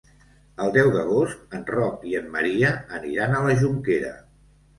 El deu d'agost en Roc i en Maria aniran a la Jonquera.